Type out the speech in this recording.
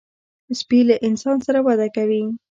سپي له انسان سره وده کوي.